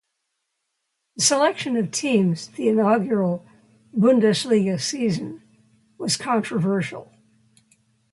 The selection of teams the inaugural Bundesliga season was controversial.